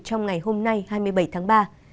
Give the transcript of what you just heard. trong ngày hôm nay hai mươi bảy tháng ba